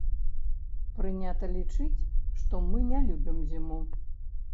Прынята лічыць, што мы не любім зіму.